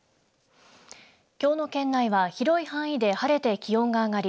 きょうの県内は広い範囲で晴れて気温が上がり